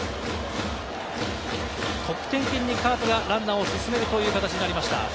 得点圏にカープがランナーを進めるという形になりました。